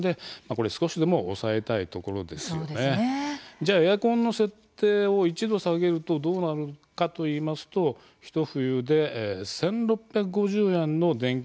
じゃあエアコンの設定を１℃下げるとどうなるかといいますとひと冬で１，６５０円の電気代の節約になります。